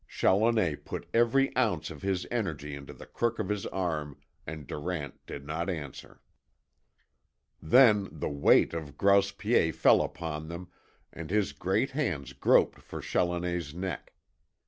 Challoner put every ounce of his energy into the crook of his arm, and Durant did not answer. Then the weight of Grouse Piet fell upon them, and his great hands groped for Challoner's neck.